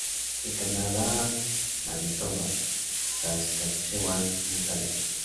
En Canadá: Manitoba, Saskatchewan y Ontario.